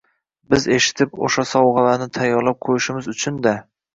Biz eshitib, o`sha sovg`alarni tayyorab qo`yishimiz uchun-da